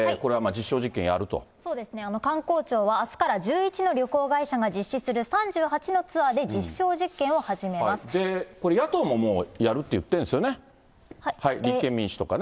そうですね、観光庁はあすから１１の旅行会社が実施する３８のツアーで、これ、野党もやるって言ってるんですよね、立憲民主党とかね。